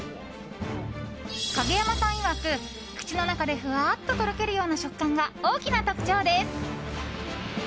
蔭山さんいわく、口の中でふわっととろけるような食感が大きな特徴です。